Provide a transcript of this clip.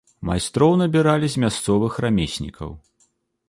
Майстроў набіралі з мясцовых рамеснікаў.